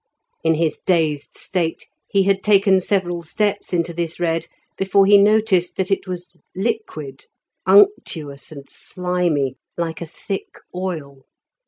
In his dazed state he had taken several steps into this red before he noticed that it was liquid, unctuous and slimy, like a thick oil.